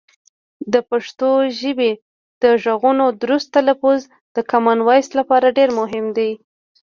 د پښتو ژبې د غږونو درست تلفظ د کامن وایس لپاره ډېر مهم دی.